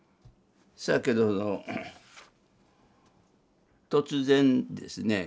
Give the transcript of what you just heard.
そやけど突然ですね